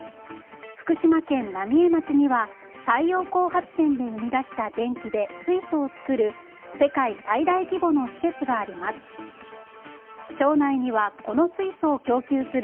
福島県浪江町には太陽光発電で生み出した電気で水素を作る世界最大規模の施設があります。